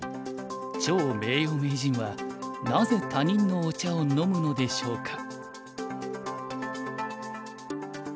趙名誉名人はなぜ他人のお茶を飲むのでしょうか？